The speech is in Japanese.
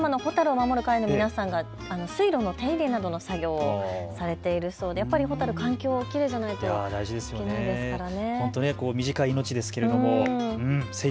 座間の蛍を守る会の皆さんが水路の整理などをされているそうで環境がきれいじゃないといけないですからね。